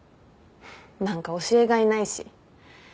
何か教えがいないし。